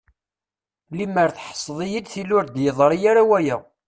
Lemmer tḥesseḍ-iyi-d, tili ur d-yeḍṛi ara waya.